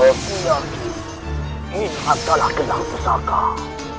aku yakin ini adalah kenang pesakar